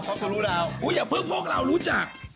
ท็อปจะรู้แล้วอุ๊ยอย่าเพิ่มพวกเรารู้จัก